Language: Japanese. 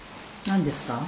何ですか？